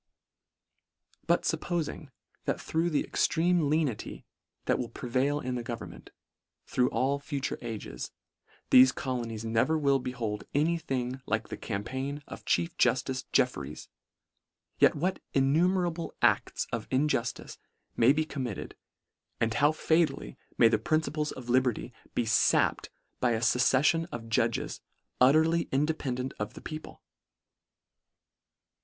But fuppoling, that through the extreme lenity that will prevail in the government, through all future ages, thefe colonies never will behold any thing like the campaign of chief juftice Jeffereys, yet what innumerable acls of injuftice may be committed, and how fatally may the principles of liberty be fapped by a fucceffion of judges utterly in dependant of the people?